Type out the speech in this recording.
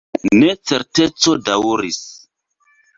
Necerteco daŭris.